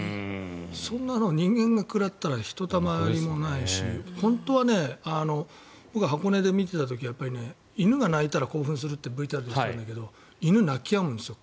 そんなの人間が食らったらひとたまりもないし本当は僕は箱根で見てた時は犬が鳴いたら興奮するってＶＴＲで言ってたんですけど犬、鳴きやむんですよ